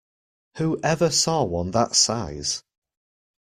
Who ever saw one that size?